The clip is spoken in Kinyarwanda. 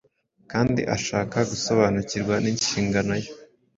kandi ashaka gusobanukirwa n’inshingano ye,